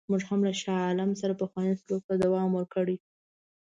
موږ هم له شاه عالم سره پخوانی سلوک ته دوام ورکړی.